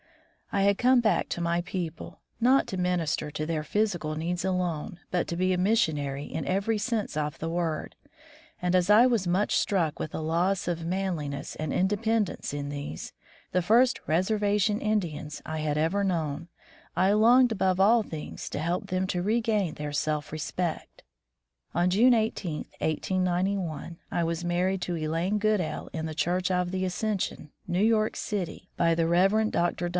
I had come back to my people, not to minister to their physical needs alone, but to be a missionary in every sense of the word, and as I was much struck with the loss of manli ness and independence in these, the first "reservation Indians" I had ever known, I longed above all things to help them to regain their self respect. On June 18, 1891, I was married to Elaine Goodale in the Church of the As cension, New York City, by the Rev. Dr.